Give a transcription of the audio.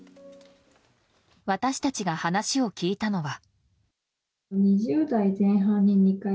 私たちが話を聞いたのは。